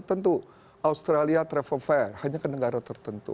tentu australia travel fair hanya ke negara tertentu